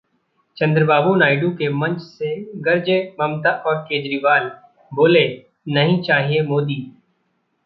चंद्रबाबू नायडू के मंच से गरजे ममता और केजरीवाल, बोले- नहीं चाहिए मोदी